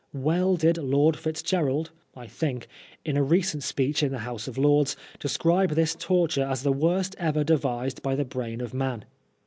Well did Lord Fitzgerald (I think) in a recent speech in the House of Lords describe this torture as the worst ever devised by the brain of man.